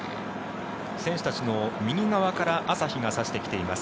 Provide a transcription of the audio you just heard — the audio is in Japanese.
選手たちの右側から朝日が差してきています。